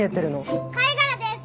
貝殻です。